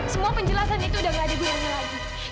semua penjelasan itu udah nggak digunainya lagi